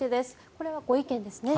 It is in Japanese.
これはご意見ですね。